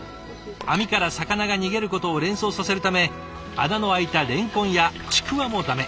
網から魚が逃げることを連想させるため穴の開いたれんこんやちくわも駄目。